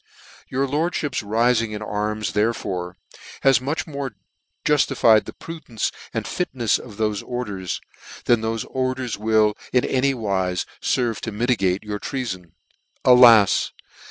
* c Your lordfhips rifing in arms therefore, has much more juftified the prudence and fitnefs of thofe orders, than thofe orders will in any wife ferve to mitigate your treafon. Alas!